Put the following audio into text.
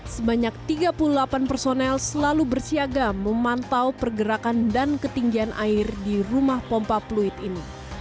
sebanyak tiga puluh delapan personel selalu bersiaga memantau pergerakan dan ketinggian air di rumah pompa fluid ini